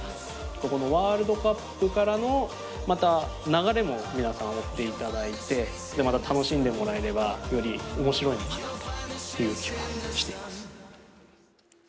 ここのワールドカップからの流れも皆さん追っていただいてまた楽しんでもらえればより面白いのかなという気はしています。